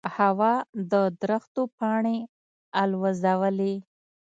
هوا د درختو پاڼې الوزولې.